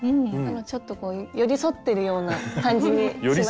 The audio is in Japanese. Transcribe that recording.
ちょっとこう寄り添ってるような感じにしました。